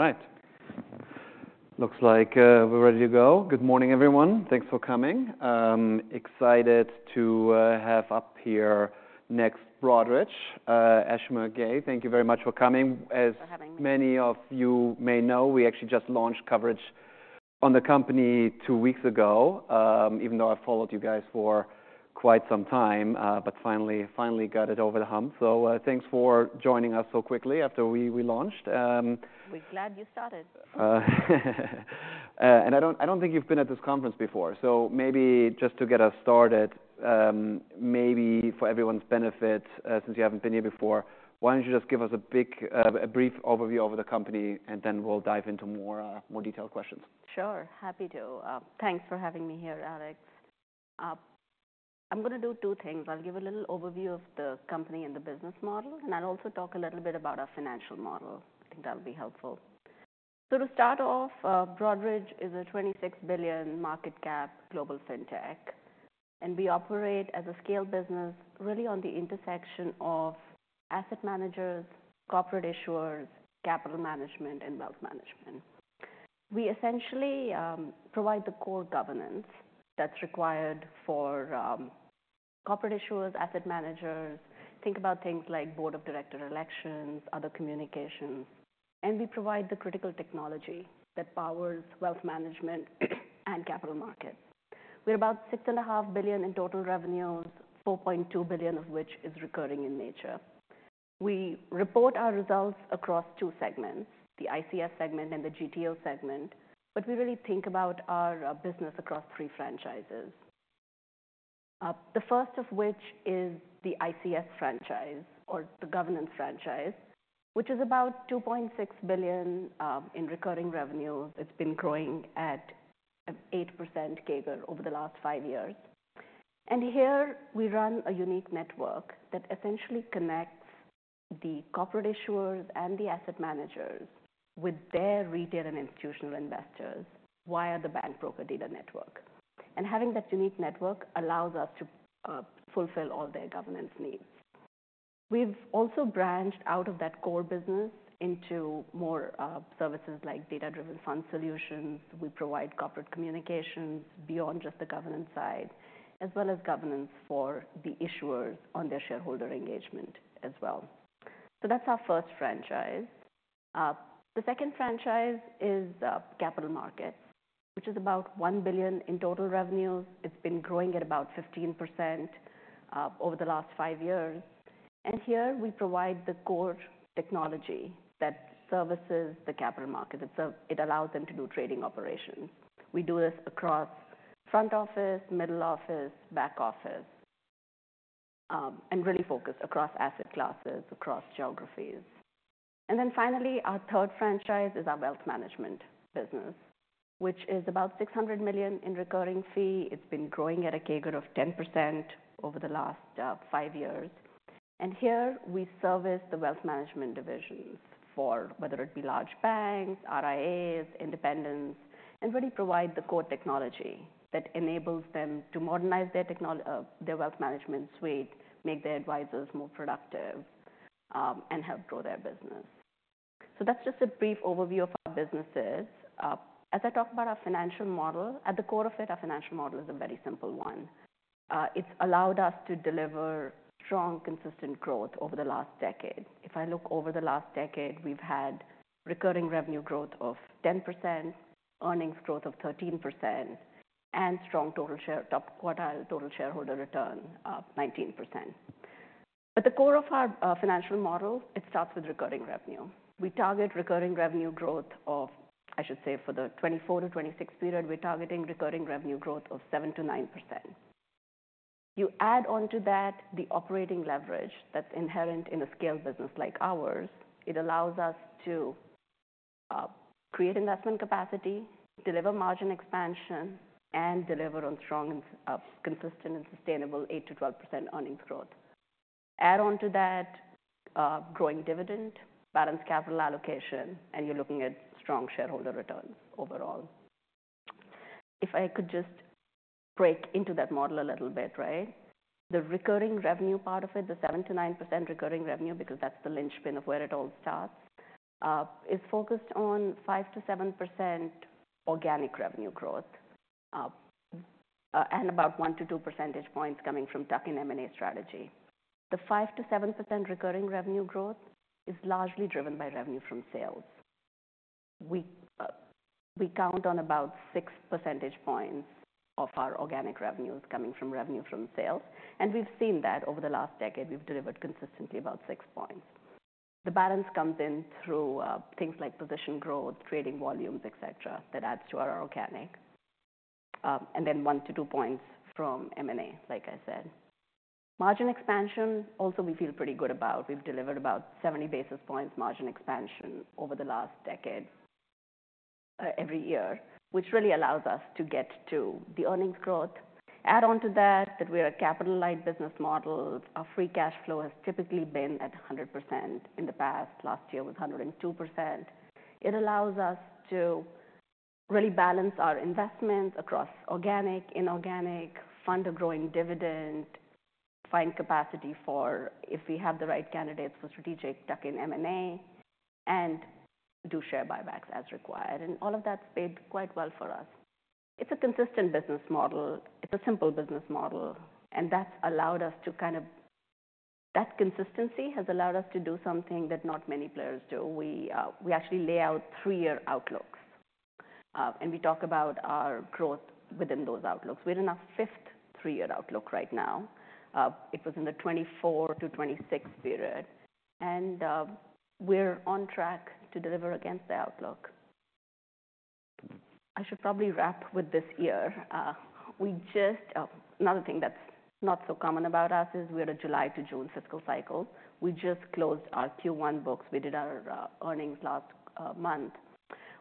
All right. Looks like we're ready to go. Good morning, everyone. Thanks for coming. Excited to have up here next Broadridge, Ashima Ghei. Thank you very much for coming. Thanks for having me. As many of you may know, we actually just launched coverage on the company two weeks ago, even though I've followed you guys for quite some time, but finally, finally got it over the hump. So, thanks for joining us so quickly after we, we launched. We're glad you started. And I don't think you've been at this conference before. So maybe just to get us started, maybe for everyone's benefit, since you haven't been here before, why don't you just give us a brief overview of the company, and then we'll dive into more detailed questions. Sure. Happy to. Thanks for having me here, Alex. I'm gonna do two things. I'll give a little overview of the company and the business model, and I'll also talk a little bit about our financial model. I think that'll be helpful. To start off, Broadridge is a $26 billion market cap global fintech, and we operate as a scale business really on the intersection of asset managers, corporate issuers, capital markets, and wealth management. We essentially provide the core governance that's required for corporate issuers, asset managers. Think about things like board of director elections, other communications, and we provide the critical technology that powers wealth management and capital markets. We're about $6.5 billion in total revenues, $4.2 billion of which is recurring in nature. We report our results across two segments, the ICS segment and the GTO segment, but we really think about our business across three franchises. The first of which is the ICS franchise or the governance franchise, which is about $2.6 billion in recurring revenue. It's been growing at 8% CAGR over the last five years. And here we run a unique network that essentially connects the corporate issuers and the asset managers with their retail and institutional investors via the bank broker data network. And having that unique network allows us to fulfill all their governance needs. We've also branched out of that core business into more services like data-driven fund solutions. We provide corporate communications beyond just the governance side, as well as governance for the issuers on their shareholder engagement as well. So that's our first franchise. The second franchise is capital markets, which is about $1 billion in total revenues. It's been growing at about 15% over the last five years. And here we provide the core technology that services the capital market. It's a, it allows them to do trading operations. We do this across front office, middle office, back office, and really focus across asset classes, across geographies. And then finally, our third franchise is our wealth management business, which is about $600 million in recurring fee. It's been growing at a CAGR of 10% over the last five years. And here we service the wealth management divisions for whether it be large banks, RIAs, independents, and really provide the core technology that enables them to modernize their technology, their wealth management suite, make their advisors more productive, and help grow their business. So that's just a brief overview of our businesses. As I talk about our financial model, at the core of it, our financial model is a very simple one. It's allowed us to deliver strong, consistent growth over the last decade. If I look over the last decade, we've had recurring revenue growth of 10%, earnings growth of 13%, and strong total shareholder return, top quartile, 19%. But the core of our financial model, it starts with recurring revenue. We target recurring revenue growth of, I should say, for the 2024 to 2026 period, we're targeting recurring revenue growth of 7%-9%. You add onto that the operating leverage that's inherent in a scale business like ours. It allows us to create investment capacity, deliver margin expansion, and deliver on strong and consistent and sustainable 8%-12% earnings growth. Add onto that, growing dividend, balanced capital allocation, and you're looking at strong shareholder returns overall. If I could just break into that model a little bit, right? The recurring revenue part of it, the 7%-9% recurring revenue, because that's the linchpin of where it all starts, is focused on 5%-7% organic revenue growth, and about 1-2 percentage points coming from tuck-in M&A strategy. The 5%-7% recurring revenue growth is largely driven by revenue from sales. We count on about 6 percentage points of our organic revenues coming from revenue from sales, and we've seen that over the last decade, we've delivered consistently about 6 points. The balance comes in through things like position growth, trading volumes, etc., that adds to our organic, and then 1-2 points from M&A, like I said. Margin expansion also we feel pretty good about. We've delivered about 70 basis points margin expansion over the last decade, every year, which really allows us to get to the earnings growth. Add onto that that we're a capital-light business model. Our free cash flow has typically been at 100% in the past. Last year was 102%. It allows us to really balance our investments across organic, inorganic, fund a growing dividend, find capacity for if we have the right candidates for strategic tuck-in M&A, and do share buybacks as required. And all of that's paid quite well for us. It's a consistent business model. It's a simple business model. And that's allowed us to kind of, that consistency has allowed us to do something that not many players do. We actually lay out three-year outlooks, and we talk about our growth within those outlooks. We're in our fifth three-year outlook right now. It was in the 2024 to 2026 period. We're on track to deliver against the outlook. I should probably wrap with this year. We just, another thing that's not so common about us is we're a July to June fiscal cycle. We just closed our Q1 books. We did our earnings last month,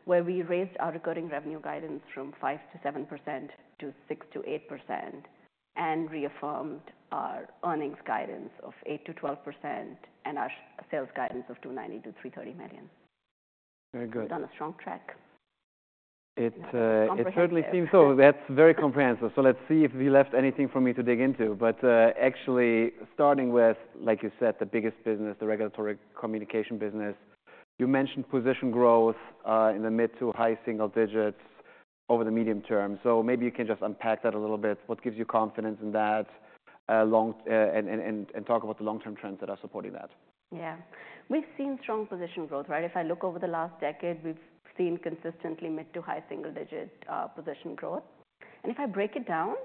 where we raised our recurring revenue guidance from 5%-7% to 6%-8% and reaffirmed our earnings guidance of 8%-12% and our sales guidance of $290 million-$330 million. Very good. We've done a strong track. It certainly seems so. That's very comprehensive, so let's see if we left anything for me to dig into, but actually starting with, like you said, the biggest business, the regulatory communication business, you mentioned position growth in the mid to high single digits over the medium term, so maybe you can just unpack that a little bit. What gives you confidence in that long-term and talk about the long-term trends that are supporting that. Yeah. We've seen strong position growth, right? If I look over the last decade, we've seen consistently mid- to high-single-digit position growth. And if I break it down,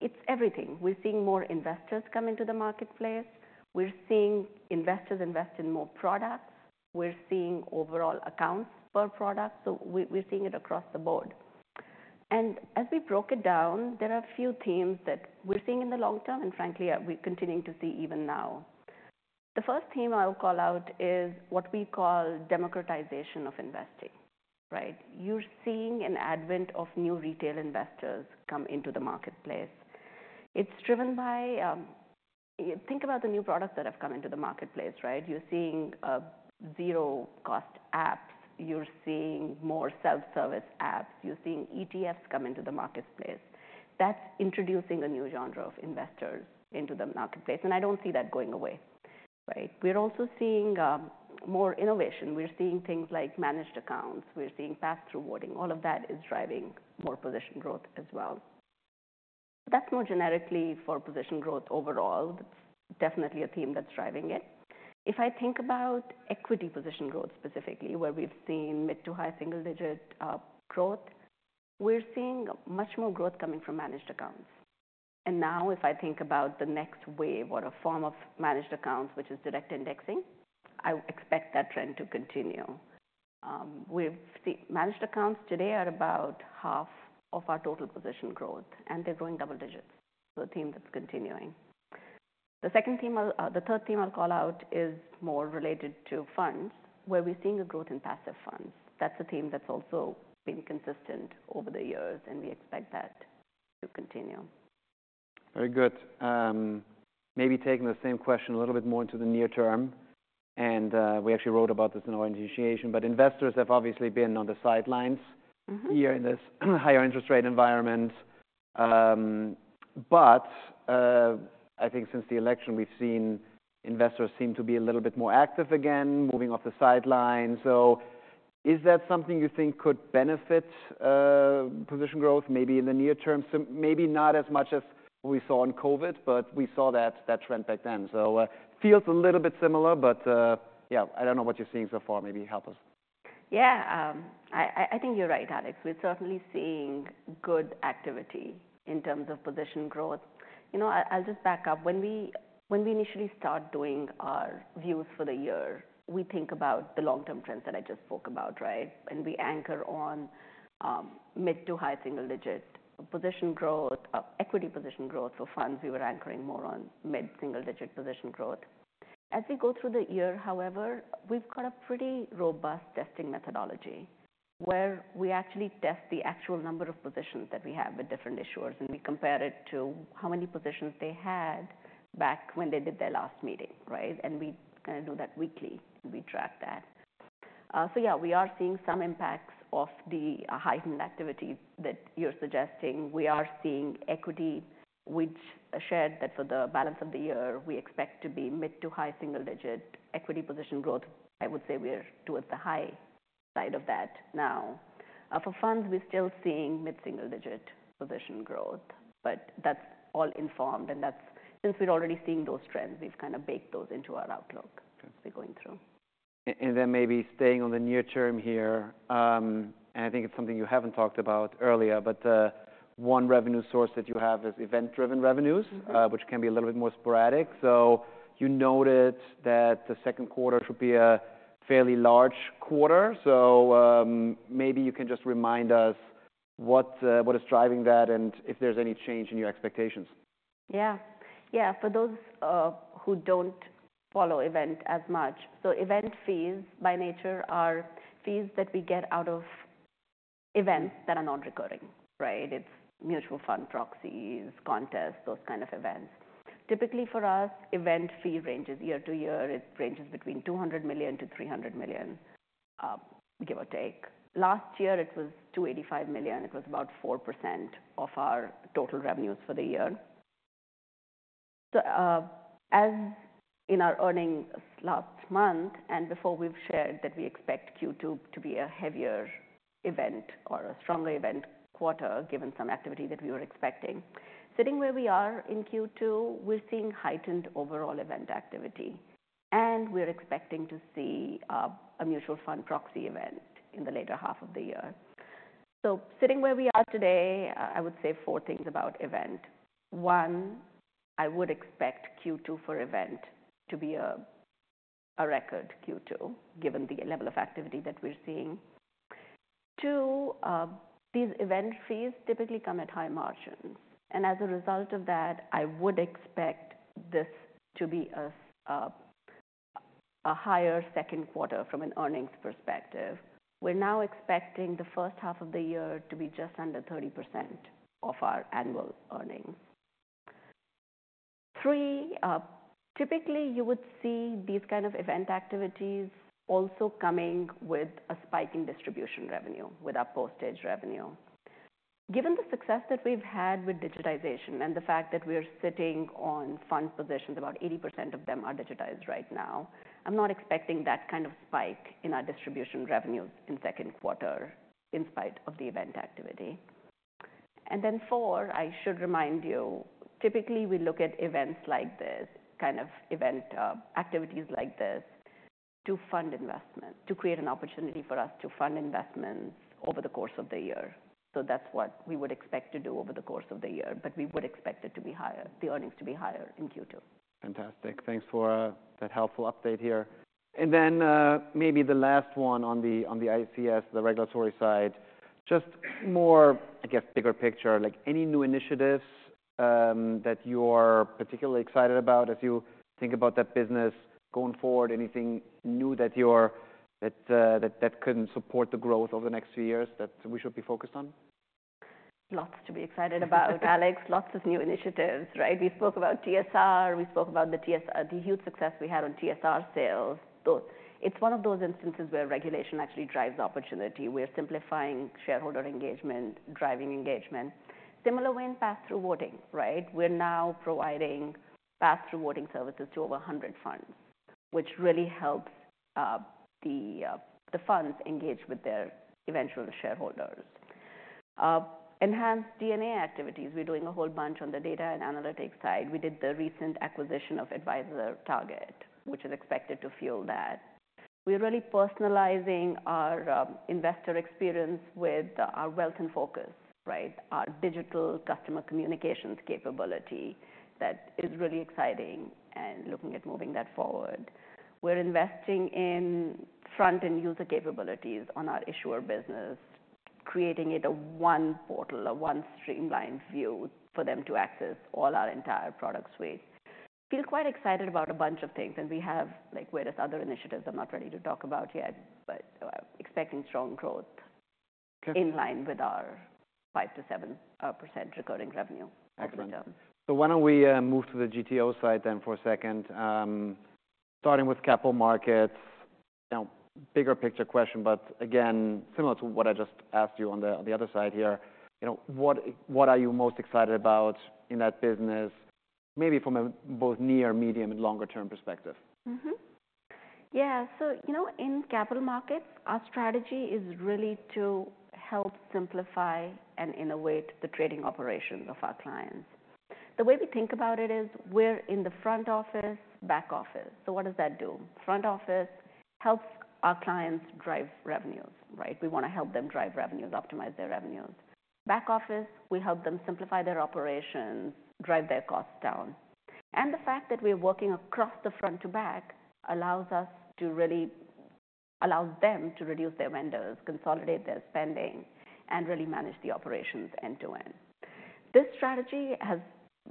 it's everything. We're seeing more investors come into the marketplace. We're seeing investors invest in more products. We're seeing overall accounts per product. So we're seeing it across the board. And as we broke it down, there are a few themes that we're seeing in the long term, and frankly, we're continuing to see even now. The first theme I'll call out is what we call democratization of investing, right? You're seeing an advent of new retail investors come into the marketplace. It's driven by, think about the new products that have come into the marketplace, right? You're seeing zero-cost apps. You're seeing more self-service apps. You're seeing ETFs come into the marketplace. That's introducing a new genre of investors into the marketplace. And I don't see that going away, right? We're also seeing more innovation. We're seeing things like managed accounts. We're seeing pass-through voting. All of that is driving more position growth as well. That's more generically for position growth overall. That's definitely a theme that's driving it. If I think about equity position growth specifically, where we've seen mid- to high-single-digit growth, we're seeing much more growth coming from managed accounts. And now if I think about the next wave or a form of managed accounts, which is direct indexing, I expect that trend to continue. We've seen managed accounts today are about half of our total position growth, and they're growing double digits. So a theme that's continuing. The second theme, the third theme I'll call out is more related to funds, where we're seeing a growth in passive funds. That's a theme that's also been consistent over the years, and we expect that to continue. Very good. Maybe taking the same question a little bit more into the near term, and we actually wrote about this in our initiation, but investors have obviously been on the sidelines. Mm-hmm. Here in this higher interest rate environment, but I think since the election, we've seen investors seem to be a little bit more active again, moving off the sidelines, so is that something you think could benefit position growth, maybe in the near term? So maybe not as much as we saw in COVID, but we saw that trend back then, so feels a little bit similar, but yeah, I don't know what you're seeing so far. Maybe help us. Yeah. I think you're right, Alex. We're certainly seeing good activity in terms of position growth. You know, I'll just back up. When we initially start doing our views for the year, we think about the long-term trends that I just spoke about, right? And we anchor on mid to high single-digit position growth, equity position growth for funds. We were anchoring more on mid single-digit position growth. As we go through the year, however, we've got a pretty robust testing methodology where we actually test the actual number of positions that we have with different issuers, and we compare it to how many positions they had back when they did their last meeting, right? And we kinda do that weekly. We track that. So yeah, we are seeing some impacts of the heightened activity that you're suggesting. We are seeing equity, which we shared, that for the balance of the year, we expect to be mid- to high single-digit equity position growth. I would say we're towards the high side of that now. For funds, we're still seeing mid-single-digit position growth, but that's all informed, and that's since we're already seeing those trends. We've kinda baked those into our outlook. Okay. We're going through. And then maybe staying on the near term here, and I think it's something you haven't talked about earlier, but, one revenue source that you have is event-driven revenues. Mm-hmm. which can be a little bit more sporadic. So you noted that the second quarter should be a fairly large quarter. So, maybe you can just remind us what, what is driving that and if there's any change in your expectations? Yeah. Yeah. For those who don't follow events as much, so event fees by nature are fees that we get out of events that are non-recurring, right? It's mutual fund proxies, contests, those kind of events. Typically for us, event fee ranges year to year. It ranges between $200 million-$300 million, give or take. Last year, it was $285 million. It was about 4% of our total revenues for the year. So, as in our earnings last month and before, we've shared that we expect Q2 to be a heavier event or a stronger event quarter, given some activity that we were expecting. Sitting where we are in Q2, we're seeing heightened overall event activity, and we're expecting to see a mutual fund proxy event in the later half of the year. So sitting where we are today, I would say four things about event. One, I would expect Q2 for event to be a record Q2, given the level of activity that we're seeing. Two, these event fees typically come at high margins. And as a result of that, I would expect this to be a higher second quarter from an earnings perspective. We're now expecting the first half of the year to be just under 30% of our annual earnings. Three, typically you would see these kind of event activities also coming with a spike in distribution revenue, with our post-trade revenue. Given the success that we've had with digitization and the fact that we're sitting on fund positions, about 80% of them are digitized right now, I'm not expecting that kind of spike in our distribution revenues in second quarter in spite of the event activity. Then four, I should remind you, typically we look at events like this, kind of event, activities like this to fund investment, to create an opportunity for us to fund investments over the course of the year. That's what we would expect to do over the course of the year, but we would expect it to be higher, the earnings to be higher in Q2. Fantastic. Thanks for that helpful update here. And then, maybe the last one on the ICS, the regulatory side, just more, I guess, bigger picture, like any new initiatives that you're particularly excited about as you think about that business going forward? Anything new that you're that couldn't support the growth over the next few years that we should be focused on? Lots to be excited about, Alex. Okay. Lots of new initiatives, right? We spoke about TSR. We spoke about the TSR, the huge success we had on TSR sales. That's one of those instances where regulation actually drives opportunity. We're simplifying shareholder engagement, driving engagement. Similar way in pass-through voting, right? We're now providing pass-through voting services to over 100 funds, which really helps the funds engage with their eventual shareholders. Enhanced D&A activities. We're doing a whole bunch on the data and analytics side. We did the recent acquisition of AdvisorTarget, which is expected to fuel that. We're really personalizing our investor experience with our Wealth In Focus, right? Our digital customer communications capability that is really exciting and looking at moving that forward. We're investing in front-end user capabilities on our issuer business, creating it a one portal, a one streamlined view for them to access all our entire product suite. Feel quite excited about a bunch of things. And we have, like, various other initiatives I'm not ready to talk about yet, but expecting strong growth. Okay. In line with our 5%-7% recurring revenue. Excellent. At the moment. So why don't we move to the GTO side then for a second? Starting with capital markets, now bigger picture question, but again, similar to what I just asked you on the other side here, you know, what, what are you most excited about in that business, maybe from a both near, medium, and longer-term perspective? Mm-hmm. Yeah. So, you know, in capital markets, our strategy is really to help simplify and innovate the trading operations of our clients. The way we think about it is we're in the front office, back office. So what does that do? Front office helps our clients drive revenues, right? We wanna help them drive revenues, optimize their revenues. Back office, we help them simplify their operations, drive their costs down. And the fact that we are working across the front to back allows us to really allow them to reduce their vendors, consolidate their spending, and really manage the operations end to end. This strategy has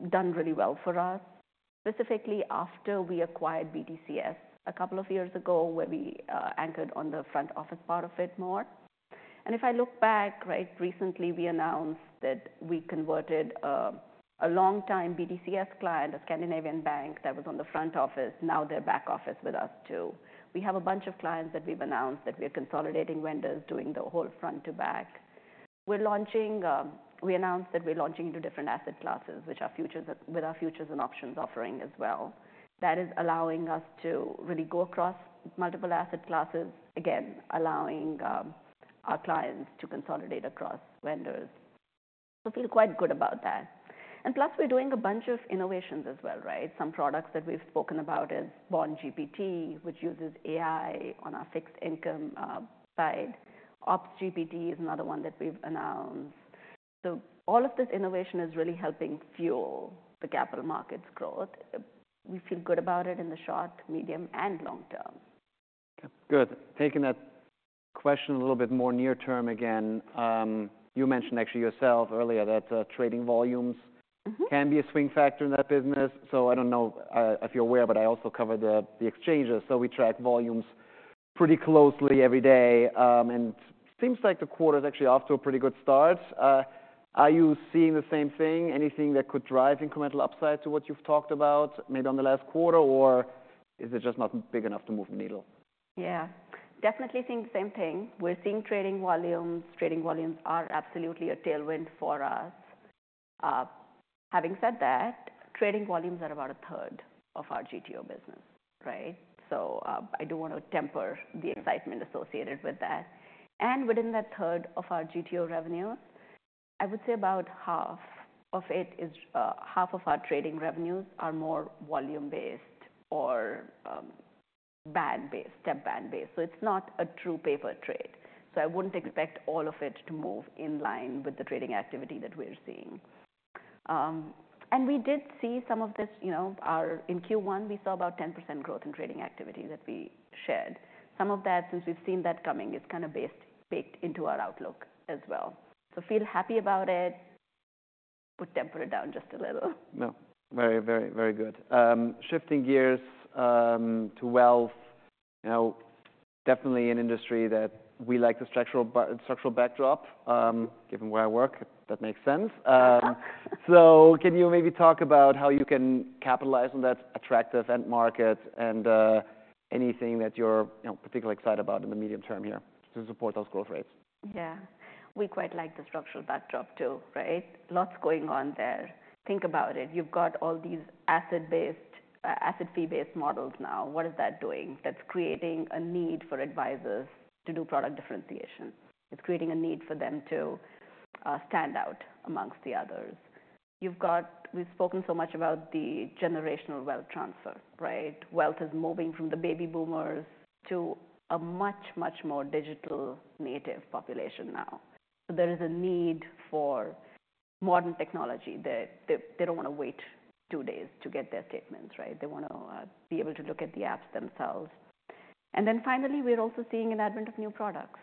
done really well for us, specifically after we acquired BTCS a couple of years ago, where we anchored on the front office part of it more. And if I look back, right, recently we announced that we converted a longtime BTCS client, a Scandinavian bank that was on the front office. Now they're back office with us too. We have a bunch of clients that we've announced that we are consolidating vendors, doing the whole front to back. We're launching, we announced that we're launching into different asset classes, which are futures with our futures and options offering as well. That is allowing us to really go across multiple asset classes, again, allowing our clients to consolidate across vendors. So feel quite good about that. And plus, we're doing a bunch of innovations as well, right? Some products that we've spoken about is BondGPT, which uses AI on our fixed income side. OpsGPT is another one that we've announced. So all of this innovation is really helping fuel the capital markets growth. We feel good about it in the short, medium, and long term. Okay. Good. Taking that question a little bit more near term again, you mentioned actually yourself earlier that, trading volumes. Mm-hmm. Can be a swing factor in that business. So I don't know, if you're aware, but I also cover the exchanges. So we track volumes pretty closely every day, and seems like the quarter's actually off to a pretty good start. Are you seeing the same thing? Anything that could drive incremental upside to what you've talked about, maybe on the last quarter, or is it just not big enough to move the needle? Yeah. Definitely seeing the same thing. We're seeing trading volumes. Trading volumes are absolutely a tailwind for us. Having said that, trading volumes are about a third of our GTO business, right? So, I do wanna tamper the excitement associated with that. And within that third of our GTO revenues, I would say about half of it is, half of our trading revenues are more volume-based or, band-based, step band-based. So it's not a true paper trade. So I wouldn't expect all of it to move in line with the trading activity that we're seeing. And we did see some of this, you know, or in Q1, we saw about 10% growth in trading activity that we shared. Some of that, since we've seen that coming, is kinda baked into our outlook as well. So feel happy about it. We'll temper it down just a little. No. Very, very, very good. Shifting gears to wealth. Now, definitely an industry that we like the structural backdrop, given where I work. That makes sense. So can you maybe talk about how you can capitalize on that attractive end market and anything that you're, you know, particularly excited about in the medium term here to support those growth rates? Yeah. We quite like the structural backdrop too, right? Lots going on there. Think about it. You've got all these asset-based, asset fee-based models now. What is that doing? That's creating a need for advisors to do product differentiation. It's creating a need for them to stand out amongst the others. We've spoken so much about the generational wealth transfer, right? Wealth is moving from the baby boomers to a much, much more digital native population now. So there is a need for modern technology. They don't wanna wait two days to get their statements, right? They wanna be able to look at the apps themselves. And then finally, we're also seeing an advent of new products.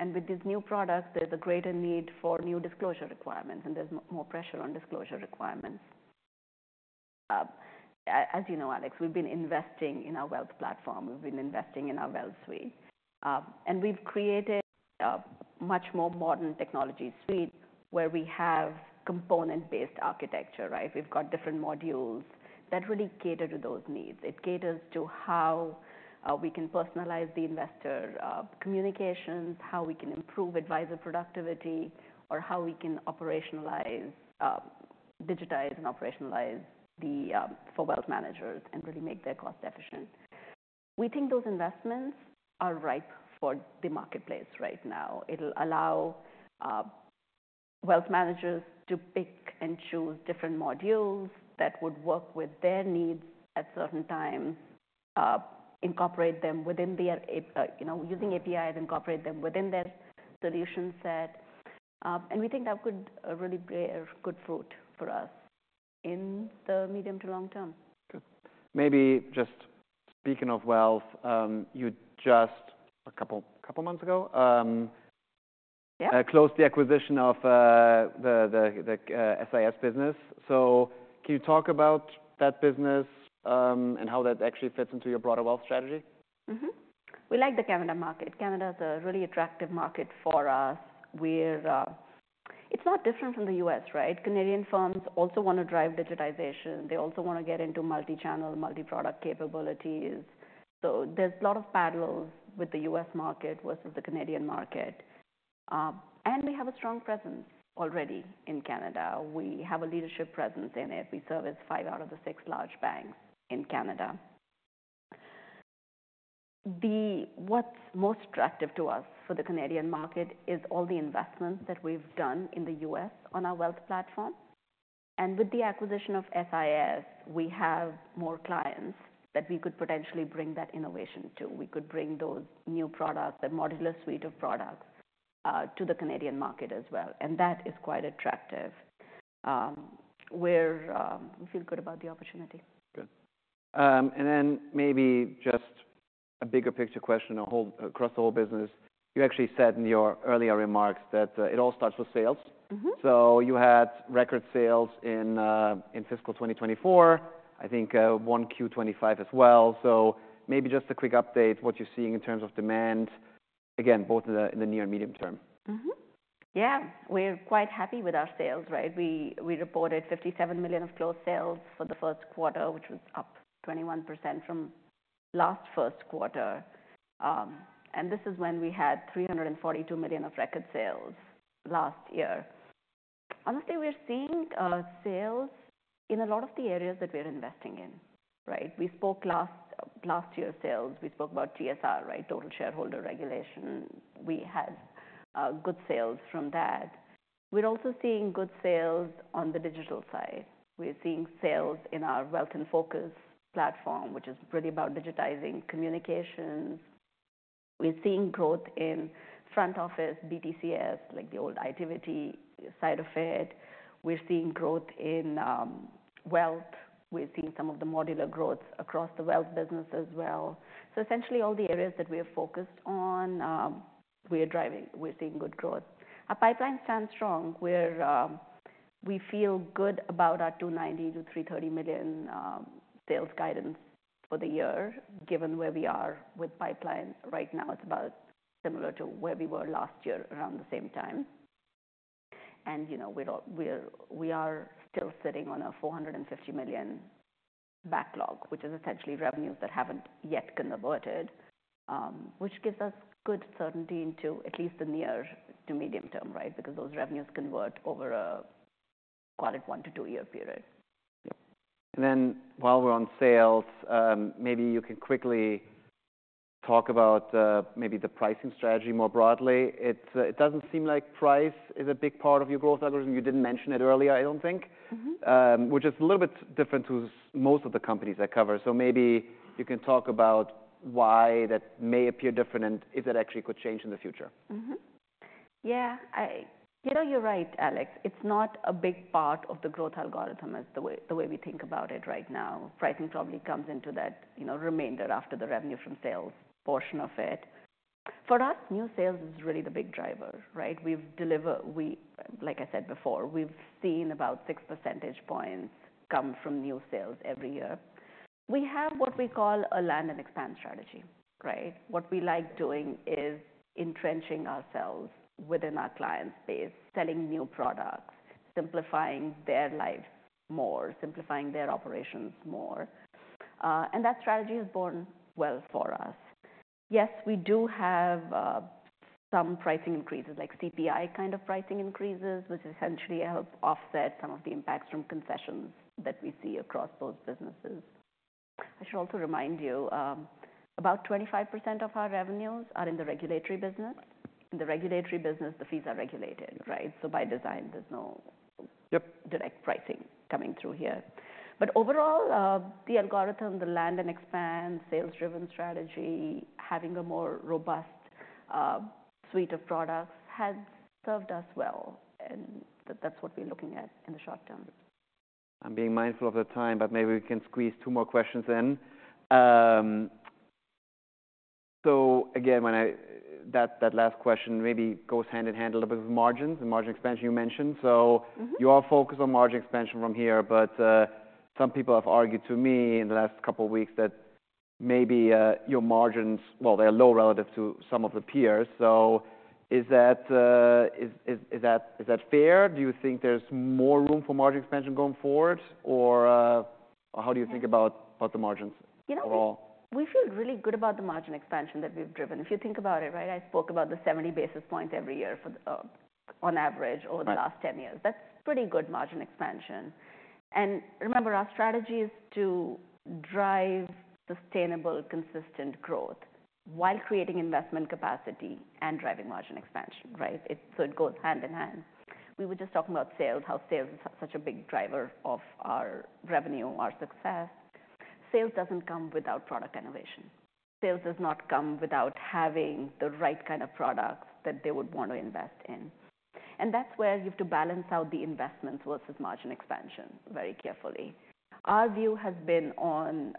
And with these new products, there's a greater need for new disclosure requirements, and there's more pressure on disclosure requirements. As you know, Alex, we've been investing in our wealth platform. We've been investing in our wealth suite, and we've created a much more modern technology suite where we have component-based architecture, right? We've got different modules that really cater to those needs. It caters to how we can personalize the investor communications, how we can improve advisor productivity, or how we can operationalize, digitize and operationalize the for wealth managers and really make their cost efficient. We think those investments are ripe for the marketplace right now. It'll allow wealth managers to pick and choose different modules that would work with their needs at certain times, incorporate them within their API, you know, using APIs, incorporate them within their solution set, and we think that could really bear good fruit for us in the medium to long term. Good. Maybe just speaking of wealth, you just a couple months ago, Yeah. closed the acquisition of the SIS business. So can you talk about that business, and how that actually fits into your broader wealth strategy? Mm-hmm. We like the Canada market. Canada's a really attractive market for us. We're, it's not different from the U.S., right? Canadian firms also wanna drive digitization. They also wanna get into multi-channel, multi-product capabilities. So there's a lot of parallels with the U.S. market versus the Canadian market. And we have a strong presence already in Canada. We have a leadership presence in it. We service five out of the six large banks in Canada. What's most attractive to us for the Canadian market is all the investments that we've done in the U.S. on our wealth platform. And with the acquisition of SIS, we have more clients that we could potentially bring that innovation to. We could bring those new products, the modular suite of products, to the Canadian market as well. And that is quite attractive. We're, we feel good about the opportunity. Good. And then maybe just a bigger picture question across the whole business. You actually said in your earlier remarks that it all starts with sales. Mm-hmm. You had record sales in fiscal 2024, I think, 1Q25 as well. Maybe just a quick update, what you're seeing in terms of demand, again, both in the near and medium term. Yeah. We're quite happy with our sales, right? We reported $57 million of closed sales for the first quarter, which was up 21% from last year's first quarter, and this is when we had $342 million of record sales last year. Honestly, we're seeing sales in a lot of the areas that we're investing in, right? We spoke about last year's sales. We spoke about TSR, right? Tailored Shareholder Reports. We had good sales from that. We're also seeing good sales on the digital side. We're seeing sales in our Wealth In Focus platform, which is really about digitizing communications. We're seeing growth in front office BTCS, like the old Itiviti side of it. We're seeing growth in wealth. We're seeing some of the modular growths across the wealth business as well. So essentially, all the areas that we are focused on, we're driving, we're seeing good growth. Our pipeline stands strong. We feel good about our $290 million-$330 million sales guidance for the year, given where we are with pipeline right now. It's about similar to where we were last year around the same time. You know, we are still sitting on a $450 million backlog, which is essentially revenues that haven't yet converted, which gives us good certainty into at least the near to medium term, right? Because those revenues convert over a, call it one- to two-year period. Yeah, and then while we're on sales, maybe you can quickly talk about, maybe the pricing strategy more broadly. It's, it doesn't seem like price is a big part of your growth algorithm. You didn't mention it earlier, I don't think. Mm-hmm. which is a little bit different to most of the companies I cover. So maybe you can talk about why that may appear different and if that actually could change in the future. Mm-hmm. Yeah. I, you know, you're right, Alex. It's not a big part of the growth algorithm as the way we think about it right now. Pricing probably comes into that, you know, remainder after the revenue from sales portion of it. For us, new sales is really the big driver, right? We've delivered, like I said before, we've seen about six percentage points come from new sales every year. We have what we call a land and expand strategy, right? What we like doing is entrenching ourselves within our client's base, selling new products, simplifying their lives more, simplifying their operations more. And that strategy has borne well for us. Yes, we do have some pricing increases, like CPI kind of pricing increases, which essentially help offset some of the impacts from concessions that we see across those businesses. I should also remind you, about 25% of our revenues are in the regulatory business. In the regulatory business, the fees are regulated, right? So by design, there's no. Yep. Direct pricing coming through here. But overall, the algorithm, the land and expand, sales-driven strategy, having a more robust suite of products has served us well. And that's what we're looking at in the short term. I'm being mindful of the time, but maybe we can squeeze two more questions in. So again, when I said that, that last question maybe goes hand in hand a little bit with margins and margin expansion you mentioned. So. Mm-hmm. You all focus on margin expansion from here, but some people have argued to me in the last couple of weeks that maybe your margins, well, they're low relative to some of the peers. So is that fair? Do you think there's more room for margin expansion going forward, or how do you think about the margins overall? You know, we feel really good about the margin expansion that we've driven. If you think about it, right, I spoke about the 70 basis points every year, on average, over the last 10 years. That's pretty good margin expansion, and remember, our strategy is to drive sustainable, consistent growth while creating investment capacity and driving margin expansion, right? So it goes hand in hand. We were just talking about sales, how sales is such a big driver of our revenue, our success. Sales doesn't come without product innovation. Sales does not come without having the right kind of products that they would wanna invest in, and that's where you have to balance out the investments versus margin expansion very carefully. Our view has been on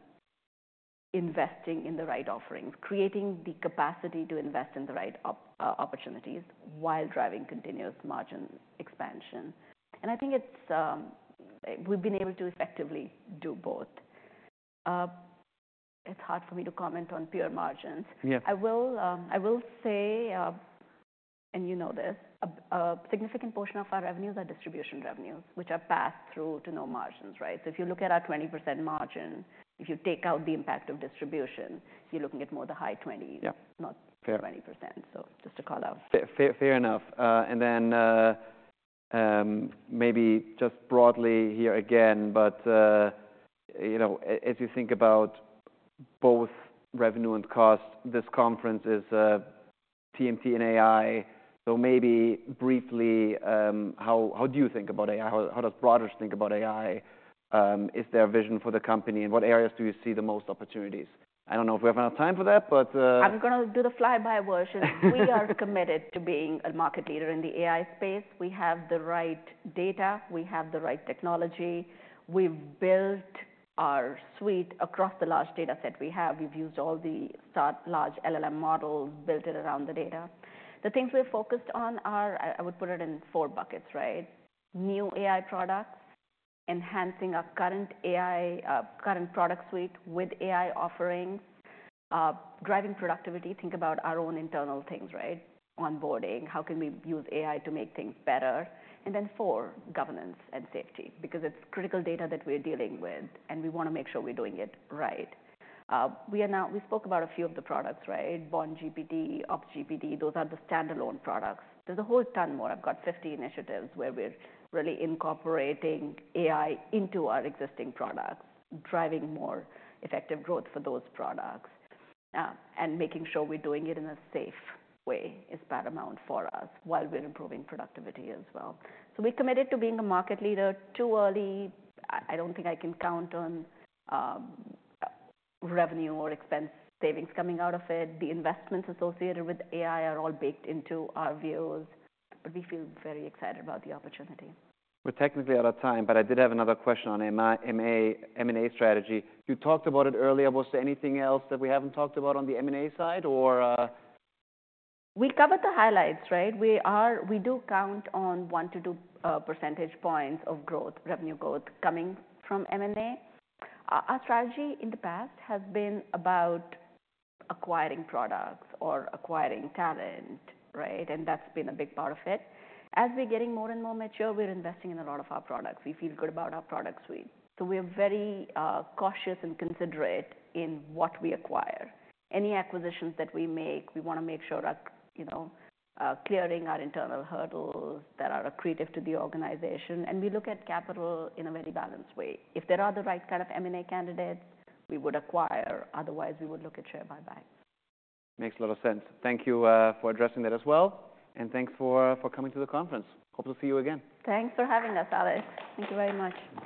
investing in the right offerings, creating the capacity to invest in the right opportunities while driving continuous margin expansion. I think it's, we've been able to effectively do both. It's hard for me to comment on pure margins. Yeah. I will say, and you know this, a significant portion of our revenues are distribution revenues, which are passed through to no margins, right? So if you look at our 20% margin, if you take out the impact of distribution, you're looking at more the high 20. Yeah. Not the 20%, so just to call out. Fair enough. And then, maybe just broadly here again, but, you know, as you think about both revenue and cost, this conference is TMT and AI. So maybe briefly, how do you think about AI? How does Broadridge think about AI? Is there a vision for the company, and what areas do you see the most opportunities? I don't know if we have enough time for that, but, I'm gonna do the fly-by version. We are committed to being a market leader in the AI space. We have the right data. We have the right technology. We've built our suite across the large data set we have. We've used all the state-of-the-art large LLM models, built it around the data. The things we're focused on are, I, I would put it in four buckets, right? New AI products, enhancing our current AI, current product suite with AI offerings, driving productivity. Think about our own internal things, right? Onboarding, how can we use AI to make things better? And then four, governance and safety, because it's critical data that we're dealing with, and we wanna make sure we're doing it right. We are now, we spoke about a few of the products, right? BondGPT, OpsGPT, those are the standalone products. There's a whole ton more. I've got 50 initiatives where we're really incorporating AI into our existing products, driving more effective growth for those products, and making sure we're doing it in a safe way is paramount for us while we're improving productivity as well. So we're committed to being a market leader too early. I don't think I can count on revenue or expense savings coming out of it. The investments associated with AI are all baked into our views, but we feel very excited about the opportunity. We're technically out of time, but I did have another question on M&A strategy. You talked about it earlier. Was there anything else that we haven't talked about on the M&A side, or? We covered the highlights, right? We are, we do count on one to two percentage points of growth, revenue growth coming from M&A. Our strategy in the past has been about acquiring products or acquiring talent, right? And that's been a big part of it. As we're getting more and more mature, we're investing in a lot of our products. We feel good about our product suite. So we are very, cautious and considerate in what we acquire. Any acquisitions that we make, we wanna make sure our, you know, clearing our internal hurdles that are accretive to the organization. And we look at capital in a very balanced way. If there are the right kind of M&A candidates, we would acquire. Otherwise, we would look at share buybacks. Makes a lot of sense. Thank you for addressing that as well, and thanks for coming to the conference. Hope to see you again. Thanks for having us, Alex. Thank you very much.